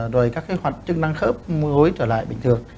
rồi các cái hoạt chức năng khớp gối trở lại bình thường